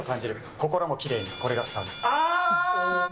心もきれいに、これがサウナ。